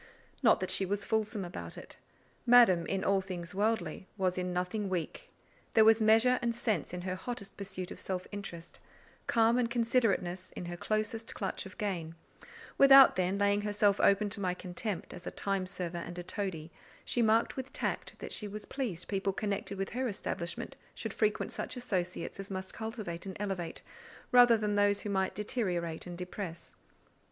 Not that she was fulsome about it: Madame, in all things worldly, was in nothing weak; there was measure and sense in her hottest pursuit of self interest, calm and considerateness in her closest clutch of gain; without, then, laying herself open to my contempt as a time server and a toadie, she marked with tact that she was pleased people connected with her establishment should frequent such associates as must cultivate and elevate, rather than those who might deteriorate and depress.